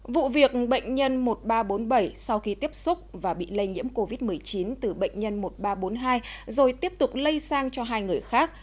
vụ việc bệnh nhân một nghìn ba trăm bốn mươi bảy sau khi tiếp xúc và bị lây nhiễm covid một mươi chín từ bệnh nhân một nghìn ba trăm bốn mươi hai rồi tiếp tục lây sang cho hai người khác